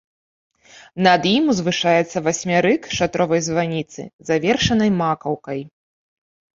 Над ім узвышаецца васьмярык шатровай званіцы, завершанай макаўкай.